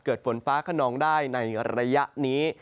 เกิดฝนฟ้าก่อนนองได้ในระยะนี้